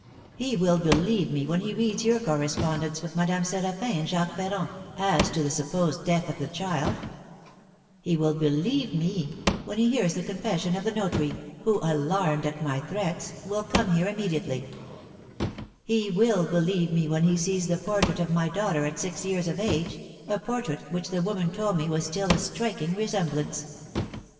He will believe me when he reads your correspondence with Madame Séraphin and Jacques Ferrand, as to the supposed death of the child; he will believe me when he hears the confession of the notary, who, alarmed at my threats, will come here immediately; he will believe me when he sees the portrait of my daughter at six years of age, a portrait which the woman told me was still a striking resemblance.